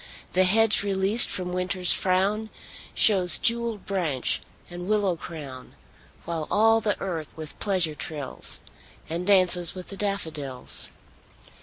The hedge released from Winter's frown Shews jewelled branch and willow crown; While all the earth with pleasure trills, And 'dances with the daffodils.